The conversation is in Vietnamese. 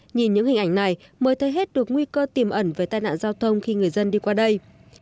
nhìn những hình ảnh này mới thấy hết được nguy cơ tiềm ẩn về tai nạn giao thông khi người dân đi qua đây